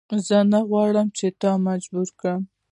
زه نه غواړم چې تا مجبور کړم.